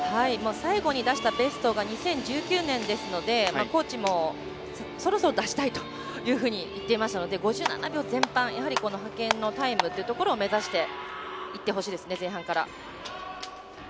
最後に出したベストが２０１９年ですのでコーチも、そろそろ出したいというふうに言っていましたので５７秒前半やはり、派遣のタイムっていうところを目指していってほしいですね前半から。